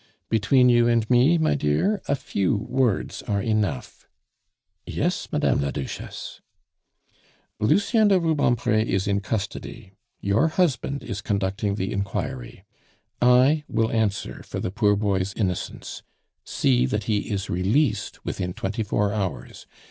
"Between you and me, my dear, a few words are enough." "Yes, Madame la Duchesse." "Lucien de Rubempre is in custody, your husband is conducting the inquiry; I will answer for the poor boy's innocence; see that he is released within twenty four hours.